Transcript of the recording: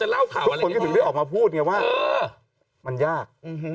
ทุกคนคิดถึงได้ออกมาพูดไงว่ามันยาก